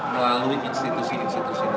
melalui institusi institusi negara